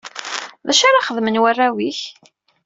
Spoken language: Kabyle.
D acu i la xeddmen warraw-ik?